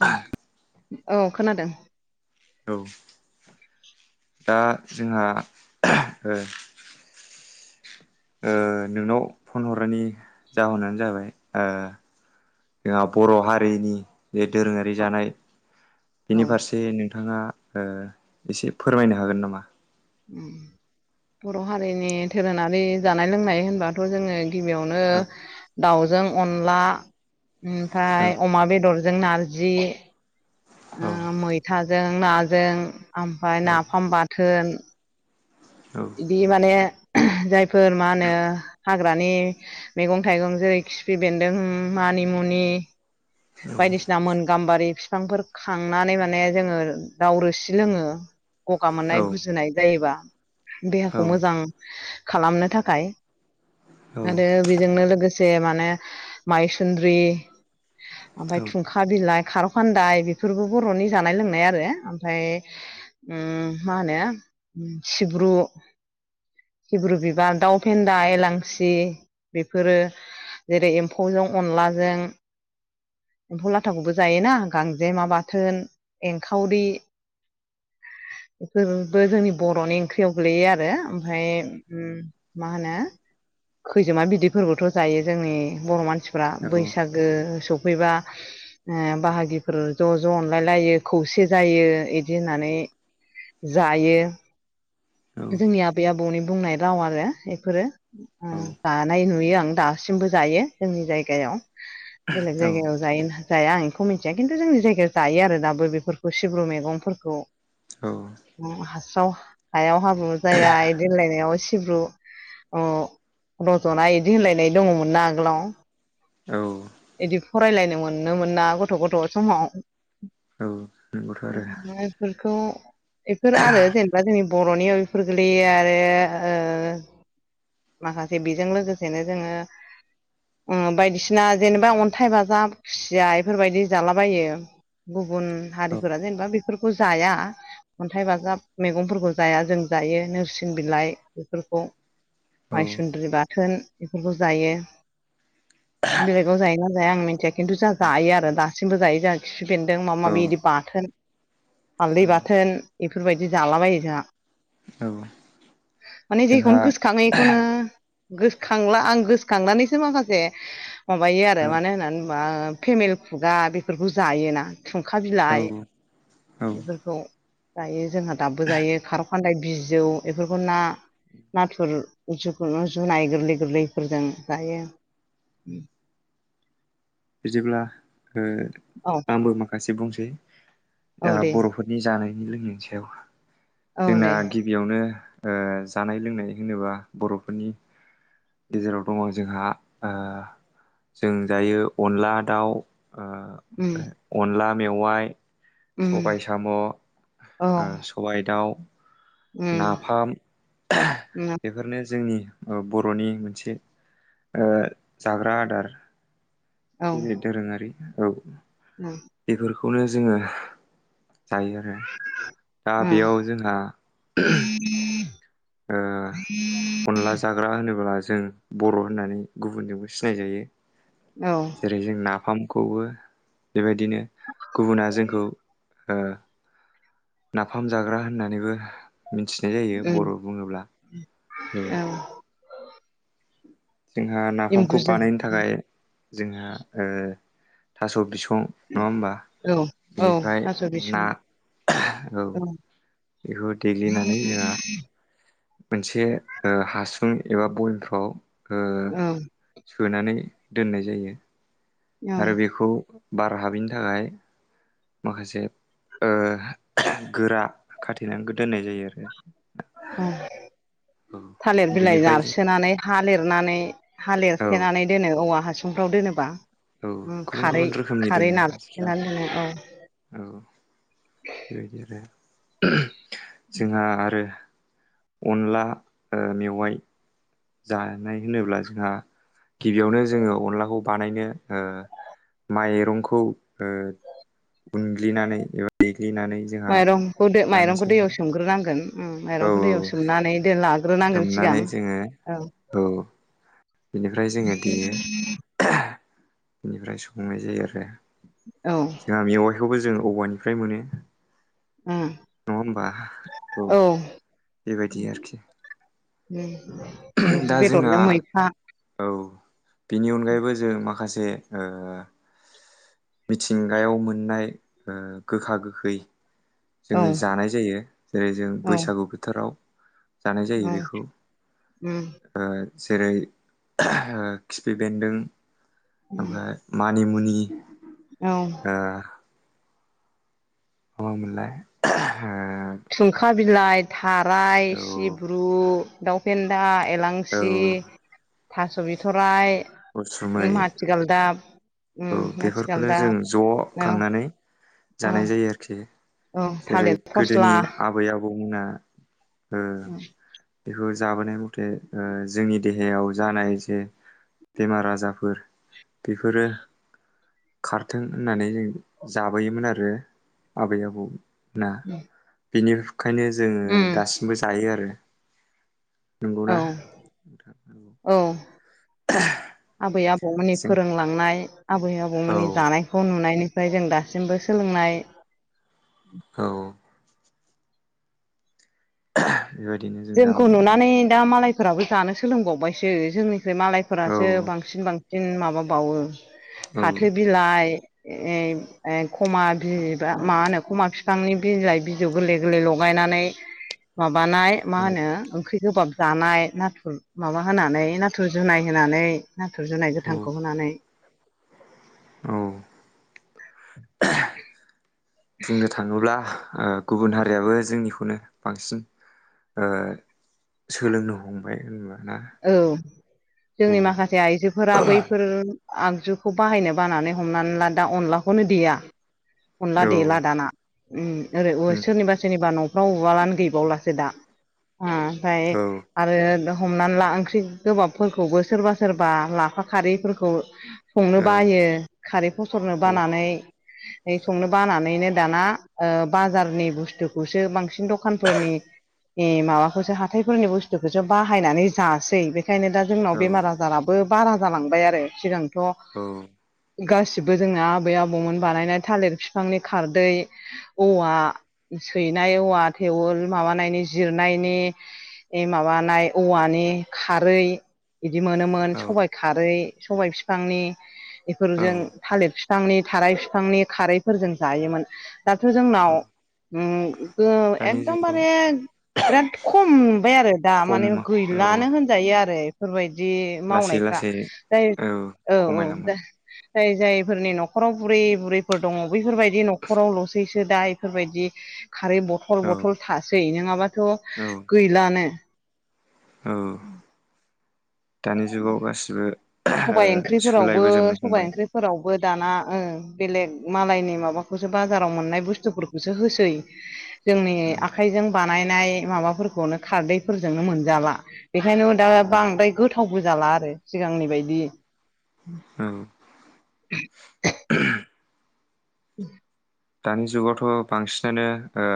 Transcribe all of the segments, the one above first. औ औ खोनादों औ दा जोंहा ओ नोंनाव फन हरनायनि जाहोनानो जाबाय जोंहा बर' हारिनि जे दोरोङारि औ जानाय औ बेनि फारसे नोंथाङा एसे फोरमायनो हागोन नामा? बर' हारिनि दोरोङारि जानाय लोंनाय होनबाथ' जोङो गिबियावनो औ दाउजों अनला औ ओमफ्राय अमा बेदर जों नारजि औ मैथाजों नाजों ओमफ्राय नाफाम बाथोन औ बिदि माने जायफोर मा होनो हाग्रानि मैगं थाइगं जेरै खिफि बेन्दों मा मानामुनि औ बायदिसिना गामबारि बिफांफोर खांनानै माने जोङो दाउ रोसि लोङो गगा मोननाय गुजुनाय जायोबा देहाखौ मोजां औ खालामनो थाखाय औ आरो बेजोंनो लोगोसे माने माइसुन्द्रि ओमफ्राय थुंखा बिलाइ खार'खान्दाय बेफोरबो बरनि जानाय लोंनाय आरो ओमफ्राय मा होनो सिब्रु सिब्रु बिबार दाउ फेन्दा एलांसि बेफोरो जेरै एम्फौजों अनलाजों एम्फौ लाथाखौबो जायोना गांजेमा बाथोन एंखावरि [inaudible] बेफोरबो जोंनि बरनि ओंख्रियाव गोलैयो आरो ओमफफ्राय मा होनो खैजोमा बिदै फोरबोथ जायो जोंनि बर मानसिफ्रा बैसागो बबेबा बाहागिफोर ज ज अनलायलायो खौसे जायो बिदि होननानै जायो जोंनि आबै आबौनि बुंनाय राव आरो बेफोरो दानाय नुयो आं दासिम बो जायो जोंनि जायगायाव बेलेग जायगायाव जायो होन जाया आं बेखौ मिथिया खिन्थु जोंनि जायगायाव जायो आरो दाबो बेफोरखौ सिब्रु मैगंफोरखौ हासाव हायाव हाब्रु जाया इदि होनलायनायाव ए सिब्रु रजनाय बिदि होनलायनाय दङमोन ना आगोलाव औ बिदि फरायलायनो मोननो मोना गथ गथ समाव नंगौथ' आरो बेफोरखौ बेफोर आरो जेनेबा ज बरनियाव बेफोर गोलैयो आरो माखासे बेजों लोगोसेनो जोङो बायदिसिना जेनेबा अन्थाइ बाजाब खुसिया बेफोरबायदि जालाबायो गुबुन औ हारिफोरा जेनेबा बेफोरखौ जाया अन्थाइ बाजाब मैगंफोरखौ जाया जों जायो नोरसिं बिलाइ बेफोरखौ औ माइसुन्द्रि बाथोन बेफोरखौ जायो बेलेगाव जायोना जाया आं मिथिया खिन्थु जाहा जायो आरो दासिबो जायो जाह खि बेन्दों माबा औ माबि बिदि बाथोन हालदै बाथोन बेफोरबायदि जालाबायो जोंहा औ माने जोंहा जिखौनो गोसो खाङो बेखौनो गोसोखांला आं गोसोखांनानैसो माखासे माबायो आरो मानो होननानै बुङोब्ला फेमेल खुगा बेफोरखौ जायोना खुंखा औ बिलाइ औ बेफोरखौ जायो जोंहा दाबो जायो खार खनदाय बिजौ बेफोरखौ ना नाथुरु जुनाय गोरलै गोरलैफोरजों जायो बिदिब्ला औ आंबो माखासे बुंसै द औ दे बरफोरनि जानायनि लोंनायनि सायाव औ जोंना दे गिबियावनो औ जानाय लोंनाय होनोब्ला बरफोरनि गेजेराव दङ जोंहा जों दायो अनला दाउ उम ओमफ्राय अनला मेवाइ उम सबाय साम' औ सबाय दाउ उम नाफाम उम औ बेफोरनो जोंनि ओ बरनि मोनसे जाग्रा आदार औ जेरै दोरोङारि औ बेफोरखौनो जोङो जायो आरो दा बेयाव जोंहा औ अनला जाग्रा होन होनोब्ला जों बर' होननानै गुबुनजोंबो सिनाय जायो औ जेरै जों ना फार्मखौबो बेबायदिनो गुबुना जोंखौ ओ नाफाम जाग्रा होननानैबो मिथिनाय जायो उम बर' बुङोब्ला औ जोंहा नाफामखौ एम्बुजों बानायनो थाखाय जोंहा ओ थास' बिसं नङा होमबा औ औ बेनिफ्राय थास' बिसं ना औ बेखौ देग्लिनानै जोंहा मोनसे हासुं एबा बयमफ्राव ओ औ सोनानै दोननाय जायो औ आरो बेखौ बार हाबैनि थाखाय माखासे ओ गोरा खाथेनानै दोननाय जायो आरो थालिर बिलाइ बिनिफ्राय जों नारसोनानै हा लिरनानै औ हालेरथेनानै दोनो औवा हासुंफ्राव दोनोबा औ ओम गुबुन खारै गुबुन रोखोमनि खारै दोनो मानसिफ्रा नारसोनानै दोनो औ औ [unintelligible] जोंहा आरो अनला ओ मेवाय जानाय होनोब्ला जोंहा गिबियावनो जोङो अनलाखौ बानायनो ओ माइरंखौ ओ उनग्लिनानै एबा दै माइरंखौ माइरंखौ दैयाव सोमग्रोनांगोन औ माइरंखौ दैयाव सोमनानै दोन लाग्रोन सोमनानै जोङो औ बिनिफ्राय जोङो देयो बेनिफ्राय संंनाय जायो आरो औ बेखौबो जों औवानिफ्राय मोनो उम नङा होमबा औ बेबायदि आरोखि दा [unintelligible] जोंना बेदरजों मैथा बिनि अनगायैबो जों माखासे मिथिंगायाव मोननाय ओ गोखा गोखै औ जोङो जानाय जायो जेरै जों औ बैसागु बोथोराव जानाय औ जायो बेखौ उम जेरै ओ खिफि बेन्दों ओमफ्राय मानिमुनि औ ओ मा मामोनलाय थुंखा बिलाइ थाराइ ओ सिब्रु दावफेनदा औ एलांसि थास' बिथराय उसुमै माथिगालदाब औ उम बेफोरखौनो जों माथिगालदाब ज' औ खांनानै औ जानाय जायो आरोखि औ जेरै थालिर फस्ला गोदोनि आबै आबौमोना ओ औ बेखौ जाबोनाय मथे ओ जोंनि देहायाव जानाय जे बेमार आजारफोर बेफोरो खारथों होननानै जों जाबोयोमोन आरो आबै आबौ ना बेनिखायनो जोङो उम दासिमबो जायो आरो नंगौ ना औ नोंथां औ [inaudible] आबै आबौमोननि जों फोरोंलांनाय आबै औ आबौमोननि जानायखौ नुनायनि ओमफ्राय जों दासिमबो सोलोंनाय औ बेबायदिनो जों जोंखौ जाबोदों आरो नुनानै दा मालायफोराबो जानो सोलोंबावबायसो जोंनि फ्राय औ मालायफोरासो बांसिन बांसिन माबाबावो औ फाथो बिलाइ खमा बि मा होनो खमा बिफांनि बिलाइ बिजौ गोरलै गोरलै लगाय नानै माबानाय मा औ होनो ओंख्रि गोबाब जानाय नाथुर माबा होनानै नाथुर जुनाय होनानै नाथुर जुनाय औ गोथांखौ होनानै औ बुंनो थाङोब्ला आ गुबुन हारियाबो जोंनिखौनो बांसिन ओ सोलोंनो हमबाय होनबा ना औ जोंनि माखासे आइजोफोरा बैफोर आगजुखौ बाहायनो बानानै हमनानै ला दा अनलाखौनो देया अनला औ देला दाना ओम उम सोरनिबा सोरनिबा न' राव उवालानो गैबावलासो दा आ ओमफ्राय औ आरो हमना ला ओंख्रि गोबाबफोरखौबो सोरबा सोरबा लाफा खारैफोरखौ संनो औ बायो खारै फसरनो औ बानानै संनो बानानैनो दाना ओ बाजारनि बुसथुखौसो बांसिन दखानफोरनि माबाखौसो हाथायफोरनि बुसथुखौसो बाहायनानै जासै बे बेखायनो दा जोंनाव बेमार आजाराबो बारा जालांबाय आरो सिगांथ' औ गासिबो जोंना आबै आबौमोन बानायनाय थालिर बिफांनि खारदै औवा सैनाय औवा थेवल माबानायनि जिरनायनि माबानाय औवानि खारै बिदि मोनोमोन औ सबाय खारै सबाय बिफांनि औ बेफोरजों थालिर बिफांनि थाराय बिफांनि खारैफोरजों जायोमोन दाथ' जोंनाव औ ओम दानि जुगाव एकदमबारे बिराद खम नुबाय आरो दा खम माने गै औ लानो होनजायो आरो बेफोरबायदि दि लासै मावनायफ्रा लासै जाय औ औ खमायलांबाय दा जाय जायफोरनि न'खराव बुरै बुरैफोर दङ बैफोरबायदि न'खरावल'सैसो दा बेफोरबायदि खारै बथल औ बथल थासै नङाबाथ' औ गैलानो औ दानि जुगाव गासिबो ओ सबाय ओंख्रिफोरावबो सोलायबोजोबनो सबबाय हमबाय ओंख्रिफोरावबो दाना ओं बेलेग मालायनि माबाखौसो बाजाराव मोननाय बुसथुफोरखौसो होसै जोंनि औ आखाइजों जों बानायनाय माबाफोरखौनो खारदैफोरजोंनो मोनजला बेखायनो दा औ बांद्राय गोथाव थावबो जाला आरो सिगांनि बायदि औ [unintelligible] उ [unintelligible] दानि जुगावथ' बांसिनानो ओ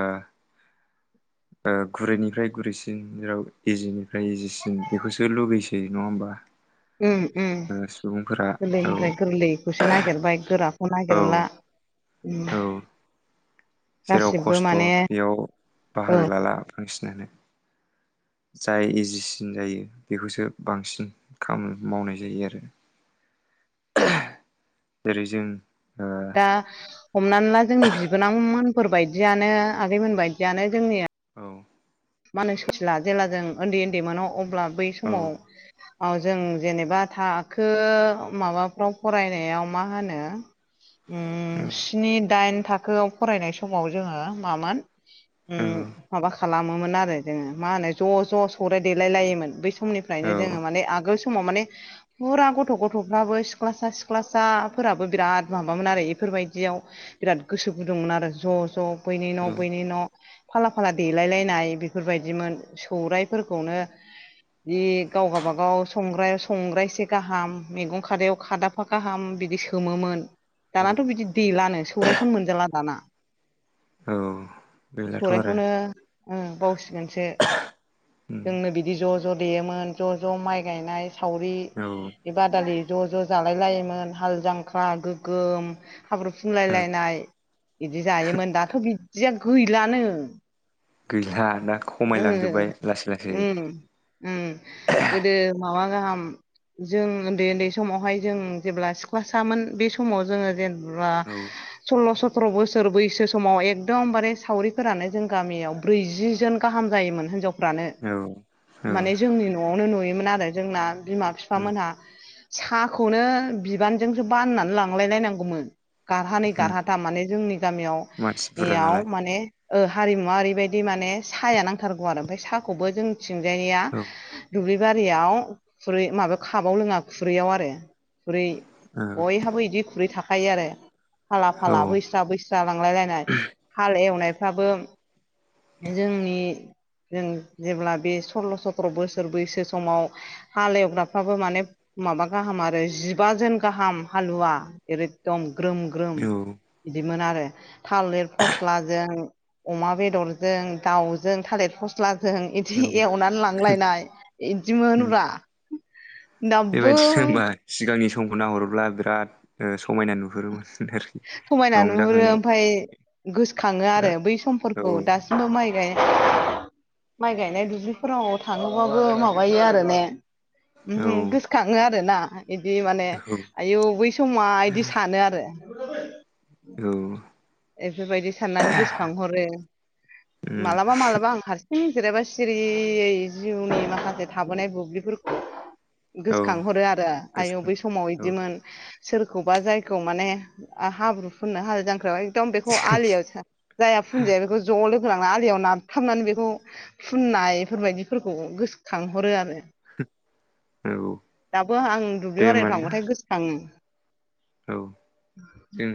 ओ गुरैनिफ्राय गुरैसिन जेराव इजिनिफ्राय इजिसिन बेखौसो लुगैसै नङा होमबा ओम ओम ओ सुबुंफोरा औ गोरलैनिफ्राय गोरलैखौसो नागिरबाय गोराखौ औ नागिरला उम औ जेराव गासिबो खसथ' माने बेयाव बाहागो लाला बांसिनानो ज [inaudible] जाय इजिसिन जायो बेखौसो बांसिन खामानि मावनाय जायो आरो जेरै जों दा हमनानै ला जोंनि बिबोनांमोन फोरबायदियानो आगैमोन बायदियानो जोंनिया औ मानो सुथिला जेब्ला जों उनदै उनदै मोन अब्ला बै समाव औ जों जेनेबा थाखो माबाफ्राव फरायनायाव मा होनो ओम औ स्नि दाइन थाखोआव फरायनाय समाव जोङो मामोन उम माबा खालाम मोन आरो जोङो मा होनो ज' ज' सौराय देलाय लायोमोन बै समनिफ्रायनो औ औ जोङो माने आगोल समाव माने फुरा गथ' गथ'फ्राबो सिख्लासा सिख्लासाफोराबो बिराद माबामोन आरो बेफोर बायायदि बिर गोसो गुदुंमोन आरो ज' ज' बैनि न' बैनि न' फाला फाला देलाय नाय बेफोरबायदिमोन सौरायाइफोरखौनो जि गाव गावाबागाव संग्रायाव संग्राय एसे गाहाम मैगं खादायाव खादाबफा गाहाम बिदि सोमोन औ दानाथ' बिदि दैलानो सौरखौनो मोनजाला दाना औ गैलाथ' आरो सौरायाइखौनो बावसिगोनसो। उम जोंनो बिदि ज' ज' देयोमोन ज' ज' माइ गायनाय सावरि औ बे बादालि ज' ज' जालाय लायोमोन हाल जांख्ला गोगोम हाब्रु औ फुनलायलायनाय फ्राय बिदि जायोमोन दाथ' बिदिया गैलानो गैला दा उम खमायलांजोब्बाय लासै लासै उम उम गोदो माबा गाहाम जों उन्दै उन्दै समावहाय जों जेब्ला सिख्ला सामोन बे समाव जोङो जेनेबा औ सल्ल' सथ्र' बोसोर बैसो समाव एकदमबारे सावरिफोरानो जों गामियाव ब्रैजि जोन गाहाम जायोमोन हिनजावफ्रानो औ औ माने जोंनि न'आवनो नुयोमोन आरो जोंना बिमा उम बिफामोनहा साहाखौनो बिबानजोंसो बाननानै लांलाय लायनांगौमोन। गारहानै उम गारहाथा माने जोंनि मानसि बुरजा गामियावयाव नालाय माने हारिमुवा ओरैबायदि माने साहाया नांथारगौ आरो ओमफ्राय साहाखौबो जों सिंजायनिया औ दुब्लि गारियाव खुरै माबायाव खाबाव लोङा खुरैयाव आरो खुरै औ बयहाबो बिदि खुरै थाखायो आरो फाला औ फाला बैस्रा बैस्रा लांलाय लायनाय हाल एवनायफ्राबो जोंनि जों जेब्ला बे सल्ल' सथ्र' बोसोर बैसो समाव हालेवग्राफ्राबो माने माबा गाहाम आरो जिबाजोन गाहाम हालुवा एखदम ग्रोम ग्रोम बिदिमोन आरो थालिर फस्लाजों अमा बेदर जों दाउजों थालिर फस्ला जों बिदि औ एवनानै लांलायनाय उम बिदिमोनब्रा दाबो बेबायदिनो होनोमबा सिगांनि समखौ नाहरोब्ला बिराद समायना नुहुरोमोन आरोखि समायना नुहुरो रंजाखांनाय ओमफफ्राय गोसोखाङो आरो बिराद बै औ समफोरखौ दासिमबो माइ गाय माइ गायनाय दुब्लिफोराव थाङोबाबो माबायो आरो ने गोसोखाङो आरो ना बिदि माने औ आयौ बै समा बिदि सानो आरो औ बेफोरबायदि साननानै गोसोखांहरो उम मालाबा मालाबा आं हारसिं जेनेबा सिरियै जिउनि माखासे थाबोनाय बुब्लिफोरखौ औ गोसोखांहरो आरो आयौ बै समाव गोसोखाङो औ बिदिमोन सोरखौबा जायखौ माने हाब्रु फुननो हाल जांख्रायाव बेखौ आलियाव जाया फचनजाया होलांना आलियाव नारथाबनानै बेखौ फुननाय बेफोरबायदिफोरखौ गोसोखांहरो आरो। [inaudible] औ दाबो आं दे दुब्लि होमबा बारियाव ना थांबाथाय गोसोखाङो औ जों [inaudible]